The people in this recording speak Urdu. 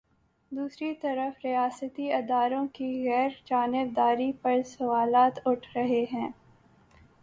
دوسری طرف ریاستی اداروں کی غیر جانب داری پر سوالات اٹھ رہے ہیں۔